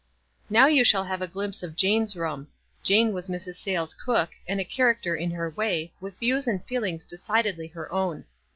Now you shall have a glimpse of Jane's room. Jane was Mrs. Sayles' cook, and a character in her way, with views and feelings decidedly her own.